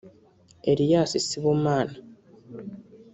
Elias Sibomana